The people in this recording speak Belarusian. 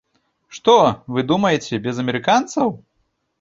Што, вы думаеце, без амерыканцаў?